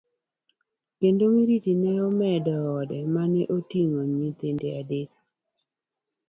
Kendo Miriti nomedo ode mane oting'o nyithinde adek.